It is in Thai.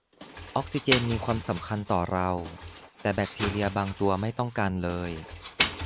ออกซิเจนมีความสำคัญต่อเรา แต่แบคทีเรียบางตัวไม่ต้องการเลย